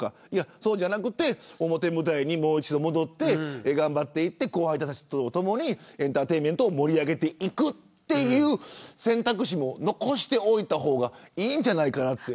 そうじゃなくて表舞台にもう一度戻って頑張っていって後輩たちとともにエンターテインメントを盛り上げていくという選択肢も残しておいた方がいいんじゃないかという。